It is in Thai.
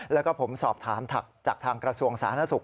แล้วก็ผมสอบถามจากทางกระทรวงสาธารณสุข